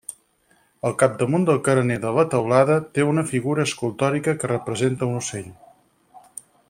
Al capdamunt del carener de la teulada té una figura escultòrica que representa un ocell.